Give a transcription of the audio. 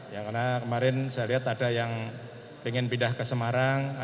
ya karena kemarin saya lihat ada yang ingin pindah ke semarang